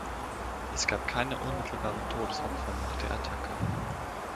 Es gab keine unmittelbaren Todesopfer nach der Attacke.